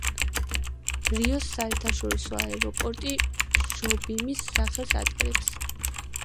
რიოს საერთაშორისო აეროპორტი ჟობიმის სახელს ატარებს.